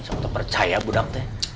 sumpah percaya budak teh